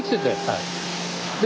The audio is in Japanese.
はい。